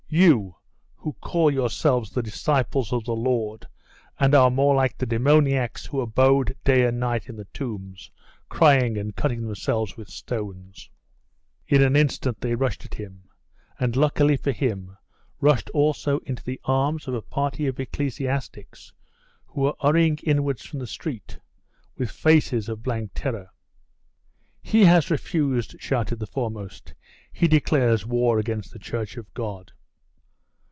'You! who call yourselves the disciples of the Lord, and are more like the demoniacs who abode day and night in the tombs, crying and cutting themselves with stones ' In an instant they rushed upon him; and, luckily for him, rushed also into the arms of a party of ecclesiastics, who were hurrying inwards from the street, with faces of blank terror. 'He has refused!' shouted the foremost. He declares war against the Church of God!